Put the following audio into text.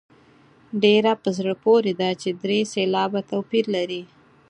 ډېره په زړه پورې ده چې درې سېلابه توپیر لري.